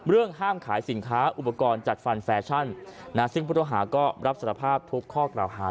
ห้ามขายสินค้าอุปกรณ์จัดฟันแฟชั่นซึ่งผู้ต้องหาก็รับสารภาพทุกข้อกล่าวหา